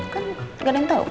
kan gak ada yang tahu